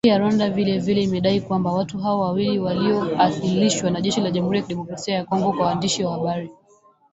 Serikali ya Rwanda vile vile imedai kwamba watu hao wawili walioasilishwa na jeshi la Jamuhuri ya kidemokrasia ya Kongo kwa waandishi wa habari